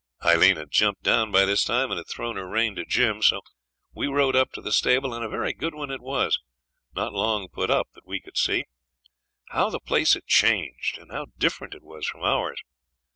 Aileen had jumped down by this time, and had thrown her rein to Jim, so we rode up to the stable, and a very good one it was, not long put up, that we could see. How the place had changed, and how different it was from ours!